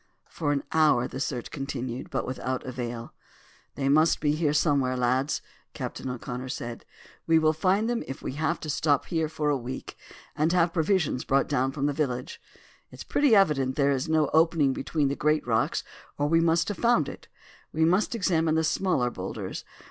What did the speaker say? For an hour the search continued, but without avail. "They must be here somewhere, lads," Captain O'Connor said. "We will find them if we have to stop here a week, and have provisions brought down from the village. It's pretty evident there is no opening between the great rocks or we must have found it. We must examine the smaller boulders.